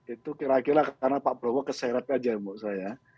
itu kira kira karena pak prabowo keseret aja menurut saya